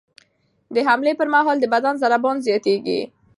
د حملې پر مهال د بدن ضربان زیاتېږي.